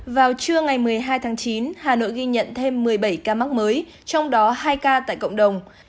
vào trưa ngày một mươi hai tháng chín hà nội ghi nhận thêm một mươi bảy ca mắc mới trong đó hai ca tại cộng đồng